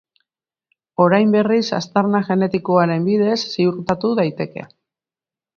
Orain berriz aztarna-genetikoaren bidez ziurtatu daiteke.